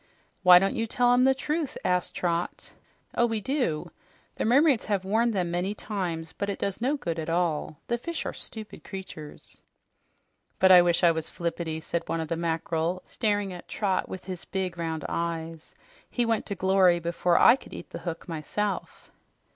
"Why don't you tell 'em the truth?" asked Trot. "Oh, we do. The mermaids have warned them many times, but it does no good at all. The fish are stupid creatures." "But I wish I was Flippity," said one of the mackerel, staring at Trot with his big, round eyes. "He went to glory before I could eat the hook myself."